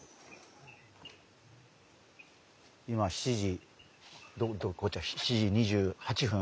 今７時７時２８分？